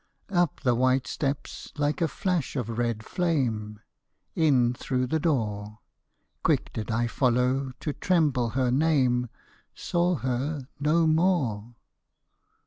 Up the white steps like a flash of red flame, In through the door ; Quick did I follow to tremble her name — Saw her no more.